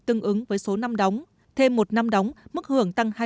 tương ứng với số năm đóng thêm một năm đóng mức hưởng tăng hai